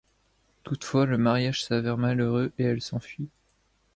Toutefois le mariage s'avère malheureux et elle s'enfuit.